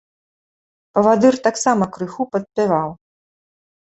Павадыр таксама крыху падпяваў.